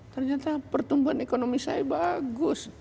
ternyata pertumbuhan ekonomi saya bagus